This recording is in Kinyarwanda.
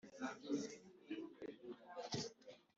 uzaba ikivume mu mugi,